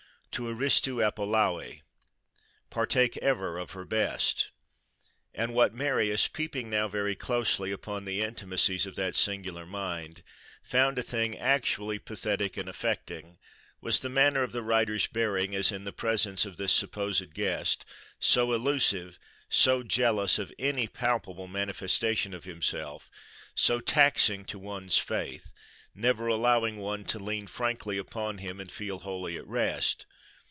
Tou aristou apolaue:+ "Partake ever of Her best!" And what Marius, peeping now very closely upon the intimacies of that singular mind, found a thing actually pathetic and affecting, was the manner of the writer's bearing as in the presence of this supposed guest; so elusive, so jealous of any palpable manifestation of himself, so taxing to one's faith, never allowing one to lean frankly upon him and feel wholly at rest.